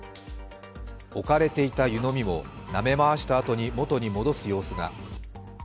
置かれていた湯飲みも、なめ回したあとに元に戻す様子が。